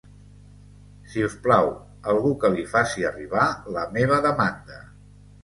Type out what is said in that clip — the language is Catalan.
Si us plau, algú que li faci arribar la meva demanda.